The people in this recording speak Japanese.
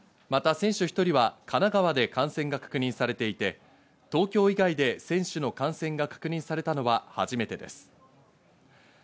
また選手１人は神奈川で感染が確認されていて、東京以外で選手の感染が確認されたのは初めてです。